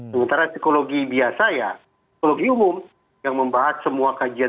sementara psikologi biasa ya psikologi umum yang membahas semua kajian